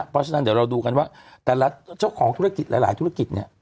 ประสูจน์แบบโรงพยาบาลสนาม